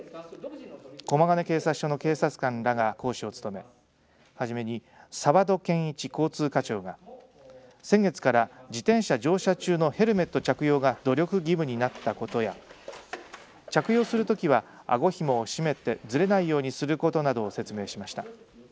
駒ヶ根警察署の警察官らが講師を務めはじめに沢渡健一交通課長が先月から自転車乗車中のヘルメット着用が努力義務になったことや着用するときはあごひもを締めてずれないようにすることなどを説明しました。